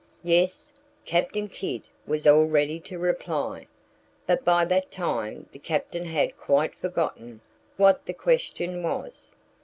Yes! Captain Kidd was all ready to reply. But by that time the Captain had quite forgotten what the question was.